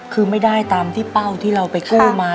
คือไม่ได้ตามที่เป้าที่เราไปกู้มา